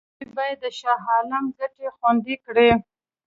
دوی باید د شاه عالم ګټې خوندي کړي.